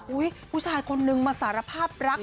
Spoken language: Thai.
ผู้ชายคนนึงมาสารภาพรัก